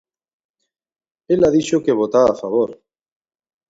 Ela dixo que votaba a favor.